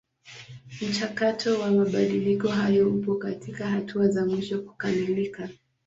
Mchakato wa mabadiliko haya upo katika hatua za mwisho kukamilika.